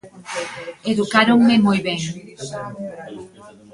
Educáronme moi ben.